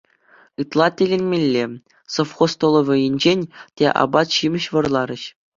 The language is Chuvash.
Ытла тӗлӗнмелле: совхоз столовӑйӗнчен те апат-ҫимӗҫ вӑрларӗҫ.